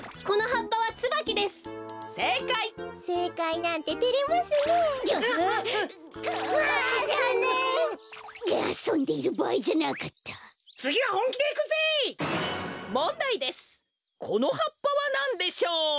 このはっぱはなんでしょう？